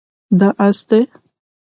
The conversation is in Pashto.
دا اس دی